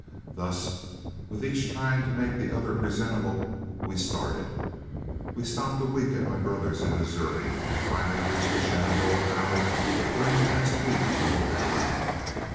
Thus with each trying to make the other presentable, we started. We stopped a week at my brother's in Missouri, and finally reached the Shenandoah Valley during the last week in November.